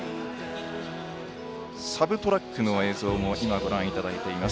サブトラックの映像をご覧いただいています。